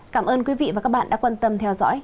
cảm ơn quý vị và các bạn đã quan tâm theo dõi